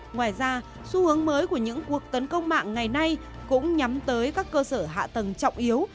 ngoài ra xu hướng mới của những cuộc tấn công mạng ngày nay cũng nhắm tới các cơ sở hạ tầng trọng yếu